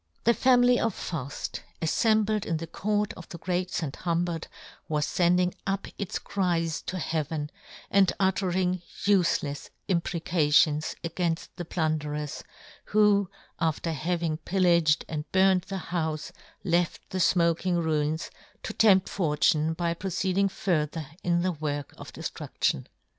The family of Fufi:, afi"embled in the court of the Great St. Humbert, was fending up its cries to Heaven, and uttering ufelefs imprecations againft the plunderers, who, after having pillaged and burned the houfe, left the fmoking ruins, to tempt for tune by proceeding further in the work of deftrud:ion.